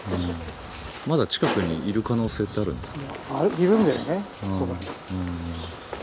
まだ近くにいる可能性ってあるんですか？